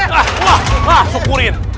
wah bapak saya ram twor ini